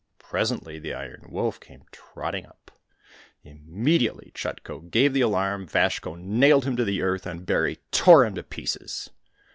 Presently the Iron Wolf came trotting up. Imme diately Chutko gave the alarm, Vazhko nailed him to the earth, and Bary tore him to pieces.